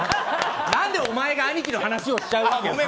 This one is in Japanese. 何でお前が兄貴の話をしちゃうわけ？